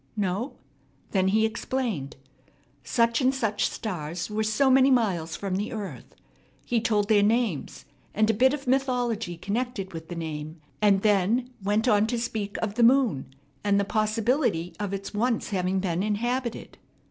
No? Then he explained. Such and such stars were so many miles from the earth. He told their names, and a bit of mythology connected with the name, and then went on to speak of the moon, and the possibility of its once having been inhabited.